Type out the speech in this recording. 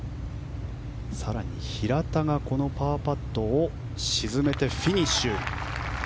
更に平田がパーパットを沈めてフィニッシュ。